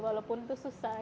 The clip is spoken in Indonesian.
walaupun itu susah